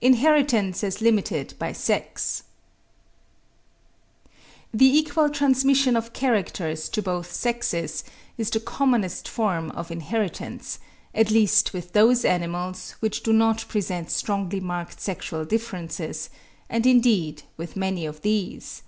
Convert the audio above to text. INHERITANCE AS LIMITED BY SEX. — The equal transmission of characters to both sexes is the commonest form of inheritance, at least with those animals which do not present strongly marked sexual differences, and indeed with many of these.